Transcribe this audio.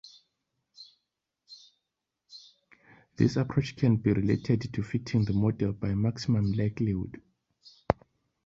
This approach can be related to fitting the model by maximum likelihood.